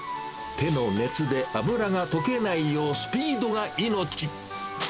手の熱で脂が溶けないよう、スピードが命。